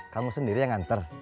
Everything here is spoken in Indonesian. kamu sendiri yang nganter